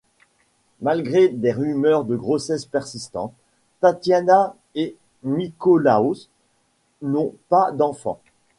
Malgré des rumeurs de grossesse persistantes, Tatiana et Nikólaos n'ont pas d'enfant.